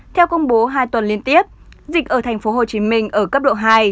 theo công bố hai tuần liên tiếp dịch ở tp hcm ở cấp độ hai